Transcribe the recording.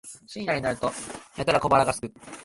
深夜になるとやたら小腹がすく